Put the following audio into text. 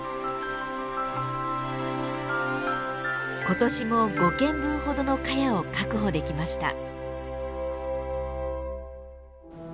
今年も５軒分ほどのカヤを確保できました。